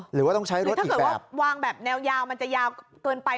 หรือว่าต้องใช้รถอีกแบบหรือถ้าเกิดวางแบบแนวยาวมันจะยาวเกินไป